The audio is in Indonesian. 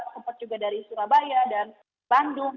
sempat juga dari surabaya dan bandung